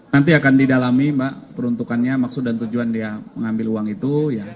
nanti akan didalami mbak peruntukannya maksud dan tujuan dia mengambil uang itu